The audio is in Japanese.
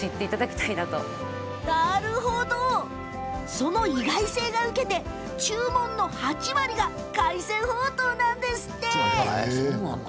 その意外性が受けて注文の８割が海鮮ほうとうなんですって。